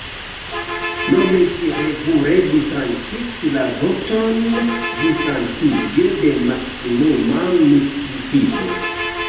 Nome ĝi regule distranĉis la vortojn ĝisatinge de maksimuma mistifiko.